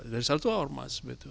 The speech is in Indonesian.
dari salah satu ormas